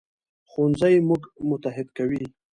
ښوونځی موږ متحد کوي